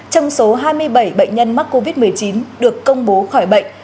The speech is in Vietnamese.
trong số hai mươi bảy bệnh nhân mắc covid một mươi chín được công bố khỏi bệnh